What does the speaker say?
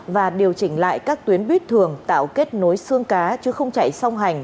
và điều chỉnh lại các tuyến buýt thường tạo kết nối xương cá chứ không chạy song hành